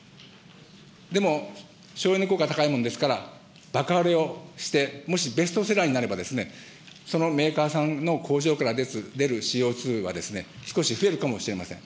でも、省エネ効果高いものですから、ばか売れをして、もしベストセラーになれば、そのメーカーさんの工場から出るＣＯ２は少し増えるかもしれません。